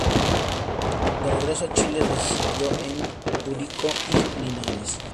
De regreso a Chile, residió en Curicó y Linares.